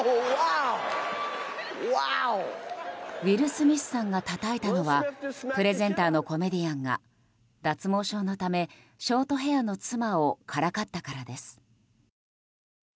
ウィル・スミスさんがたたいたのはプレゼンターのコメディアンが脱毛症のためショートヘアの妻をからかったからです。